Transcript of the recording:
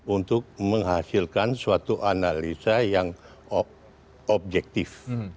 untuk menghasilkan suatu analisa yang objektif